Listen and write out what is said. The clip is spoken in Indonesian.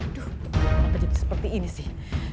aduh apa jadi seperti ini sih